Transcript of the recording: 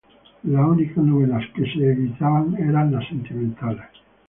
Las únicas novelas que se evitaban eran las sentimentales.